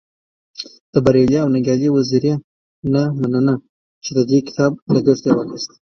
د بريالي او ننګيالي وزيري نه مننه چی د دې کتاب لګښت يې واخست.